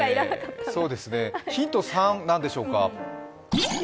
ヒント３、何でしょうか？